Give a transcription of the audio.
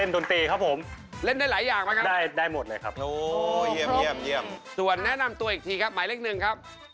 เชิญไปข้างน้องมิ้วเลยครับ